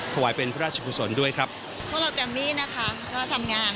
ถวายเป็นพระราชกุศลด้วยครับพวกเราแกรมมี่นะคะก็ทำงาน